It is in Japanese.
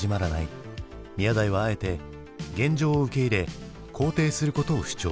宮台はあえて現状を受け入れ肯定することを主張。